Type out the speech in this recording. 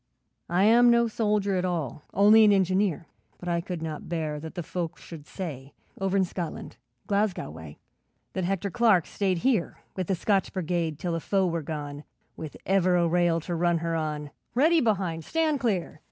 'I am no soldier at all, Only an engineer, But I could not bear that the folk should say, Over in Scotland Glasgow way That Hector Clark stayed here With the Scotch Brigade till the foe were gone, With ever a rail to run her on. Ready behind! Stand clear!